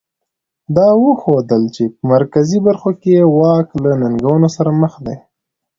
دا وښودل چې په مرکزي برخو کې یې واک له ننګونو سره مخ دی.